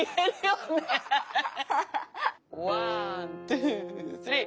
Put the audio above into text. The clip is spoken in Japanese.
ワントゥースリー。